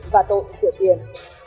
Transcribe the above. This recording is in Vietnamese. và tội sửa tiền